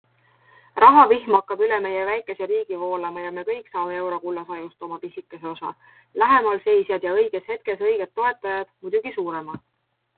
Rahavihm hakkab üle meie väikse riigi voolama ja me kõik saame eurokullasajust oma pisikese osa - lähemal seisjad ja õiges hetkes õiget toetajad muidugi suurema.